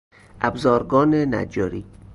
ابزارگان نجاری